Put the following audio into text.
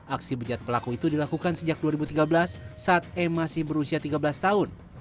aksi bejat pelaku itu dilakukan sejak dua ribu tiga belas saat e masih berusia tiga belas tahun